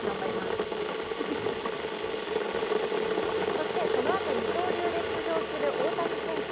そしてこのあと二刀流で出場する大谷翔平選手。